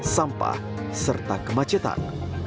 sampah serta kemacetan